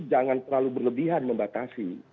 jangan terlalu berlebihan membatasi